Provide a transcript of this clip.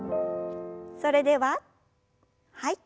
それでははい。